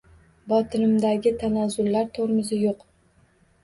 Botinimdagi tanazzullar tormozi yo’q